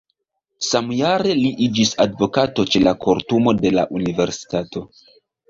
Samjare li iĝis advokato ĉe la kortumo de la universitato.